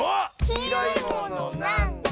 「きいろいものなんだ？」